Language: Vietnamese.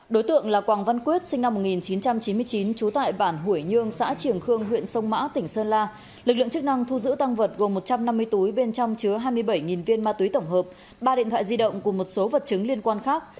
đối tượng là quảng văn quyết sinh năm một nghìn chín trăm chín mươi chín trú tại bản hủy nhương xã triềng khương huyện sông mã tỉnh sơn la lực lượng chức năng thu giữ tăng vật gồm một trăm năm mươi túi bên trong chứa hai mươi bảy viên ma túy tổng hợp ba điện thoại di động cùng một số vật chứng liên quan khác